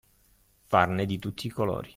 Farne di tutti i colori.